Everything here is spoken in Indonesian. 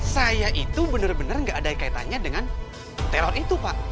saya itu bener bener gak ada kaitannya dengan teror itu pak